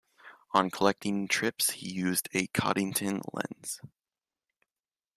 On collecting trips he used a Coddington lens.